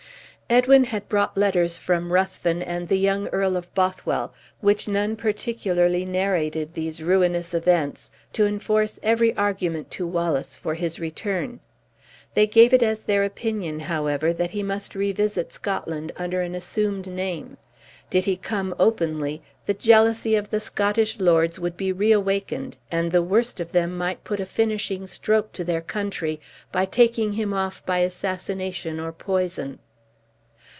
Edwin had brought letters from Ruthven and the young Earl of Bothwell, which none particularly narrated these ruinous events, to enforce every argument to Wallace for his return. They gave it as their opinion, however, that he must revisit Scotland under an assumed name. Did he come openly, the jealousy of the Scottish lords would be reawakened, and the worst of them might put a finishing stroke to their country by taking him off by assassination or poison.